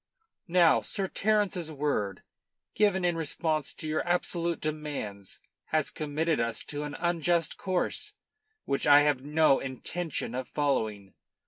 "Now, Sir Terence's word, given in response to your absolute demands, has committed us to an unjust course, which I have no intention of following.